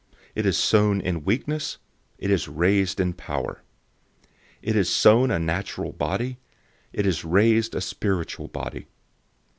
It is sown in weakness; it is raised in power. 015:044 It is sown a natural body; it is raised a spiritual body.